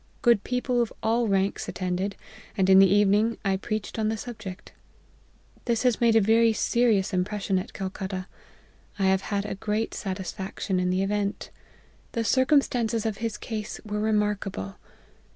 Good people of all ranks attended, and in the evening, I preached on the subject. This has made a very serious impression at Calcutta. I have had great satisfaction in the event. The cir cumstances of his case were remarkable.